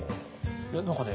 いや何かね